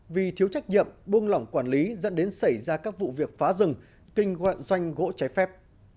vì thiếu trách nhiệm buông lỏng quản lý dẫn đến xảy ra các vụ việc phá rừng kinh doanh gỗ trái phép